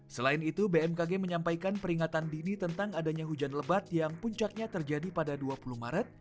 selain itu bmkg menyampaikan peringatan dini tentang adanya hujan lebat yang puncaknya terjadi pada dua puluh maret